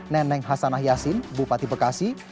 neneng hasanah yassin bupati bekasi